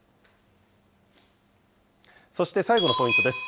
そして最後のポイントです。